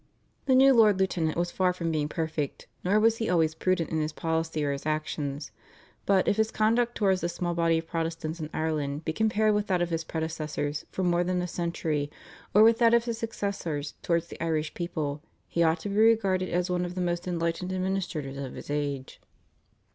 The new Lord Lieutenant was far from being perfect, nor was he always prudent in his policy or his actions, but if his conduct towards the small body of Protestants in Ireland be compared with that of his predecessors for more than a century, or with that of his successors, towards the Irish people, he ought to be regarded as one of the most enlightened administrators of his age.